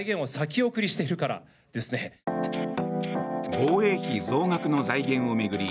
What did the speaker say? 防衛費増額の財源を巡り